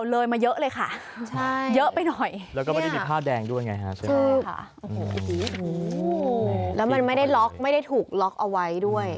แล้วมันไม่ได้ล็อกไม่ได้ถูกล็อกเอาไว้ด้วย